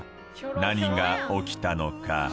何が起きたのか？